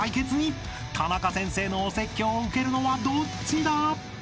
［タナカ先生のお説教を受けるのはどっちだ？］